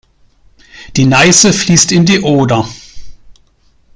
Die Neiße fließt in die Oder.